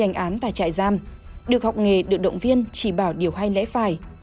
trường thị hành án tại trại giam được học nghề được động viên chỉ bảo điều hay lẽ phải